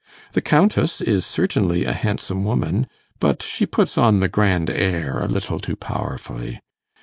The Countess is certainly a handsome woman, but she puts on the grand air a little too powerfully.